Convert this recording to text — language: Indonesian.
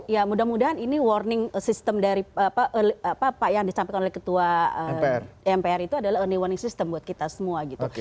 ya mudah mudahan ini warning system dari apa yang disampaikan oleh ketua mpr itu adalah early warning system buat kita semua gitu